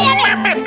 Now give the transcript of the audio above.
kalah saya nih